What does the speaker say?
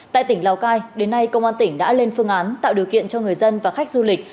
tại tỉnh lào cai đến nay công an tỉnh đã lên phương án tạo điều kiện cho người dân và khách du lịch